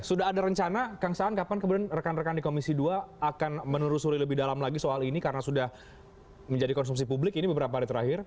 sudah ada rencana kang saan kapan kemudian rekan rekan di komisi dua akan menelusuri lebih dalam lagi soal ini karena sudah menjadi konsumsi publik ini beberapa hari terakhir